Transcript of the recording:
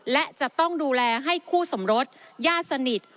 และจะต้องดูแลให้คู่สมรสญาติสนิท